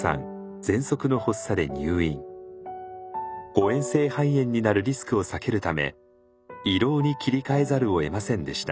誤嚥性肺炎になるリスクを避けるため胃ろうに切り替えざるをえませんでした。